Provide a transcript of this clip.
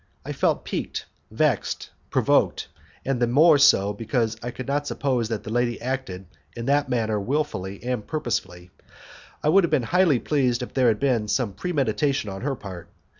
I felt piqued, vexed, provoked, and the more so because I could not suppose that the lady acted in that manner wilfully and purposely; I would have been highly pleased if there had been premeditation on her part.